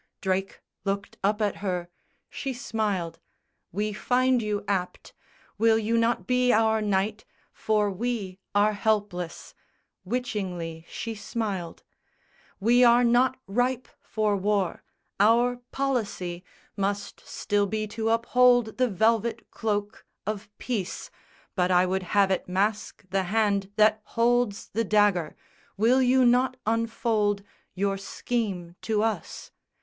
Drake looked up at her: she smiled, "We find you apt! Will you not be our knight For we are helpless" witchingly she smiled "We are not ripe for war; our policy Must still be to uphold the velvet cloak Of peace; but I would have it mask the hand That holds the dagger! Will you not unfold Your scheme to us?"